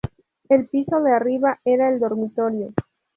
El piso de arriba era el dormitorio.